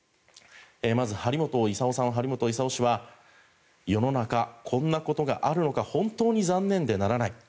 まず張本勲氏は世の中、こんなことがあるのか本当に残念でならない。